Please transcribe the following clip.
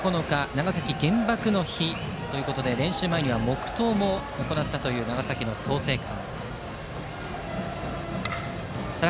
長崎・原爆の日ということで練習前には黙とうも行ったという長崎の創成館。